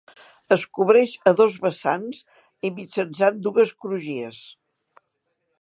Es cobreix a dos vessants i mitjançant dues crugies.